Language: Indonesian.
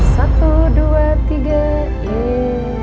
satu dua tiga yee